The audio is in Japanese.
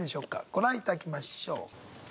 ご覧いただきましょう。